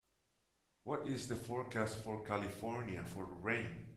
what is the forecast for California for rain